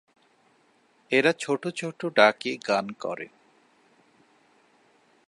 এরা ছোট ছোট ডাকে গান করে।